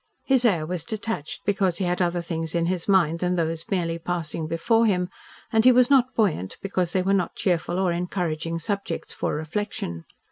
His air was detached because he had other things in his mind than those merely passing before him, and he was not buoyant because they were not cheerful or encouraging subjects for reflection.